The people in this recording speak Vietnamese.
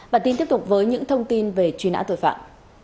bản tin tiếp tục với những thông tin về truy nã tội phạm